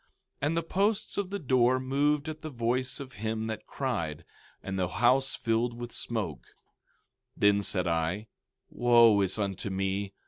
16:4 And the posts of the door moved at the voice of him that cried, and the house was filled with smoke. 16:5 Then said I: Wo is unto me!